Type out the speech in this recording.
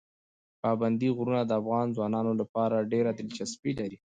پابندي غرونه د افغان ځوانانو لپاره ډېره دلچسپي لري.